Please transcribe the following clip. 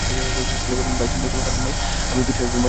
তিনি বললেন, ভাই, চিন্তার কোনো কারণ নাই, আমিও একজন বাংলাদেশি ছাত্র।